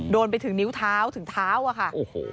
โดนไปถึงนิ้วเท้าถึงเท้าอะค่ะ